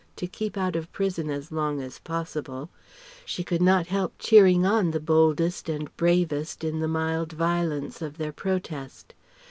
to keep out of prison as long as possible, she could not help cheering on the boldest and bravest in the mild violence of their protest.